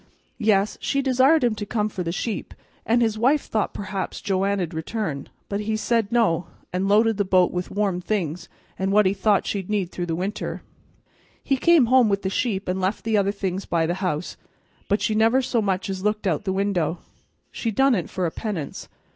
Yes, she desired him to come for the sheep; an' his wife thought perhaps Joanna'd return, but he said no, an' lo'ded the bo't with warm things an' what he thought she'd need through the winter. He come home with the sheep an' left the other things by the house, but she never so much as looked out o' the window. She done it for a penance.